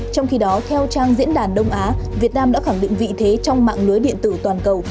trong khi đó theo trang diễn đàn đông á việt nam đã khẳng định vị thế trong mạng lưới điện tử toàn cầu